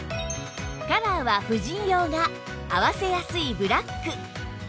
カラーは婦人用が合わせやすいブラック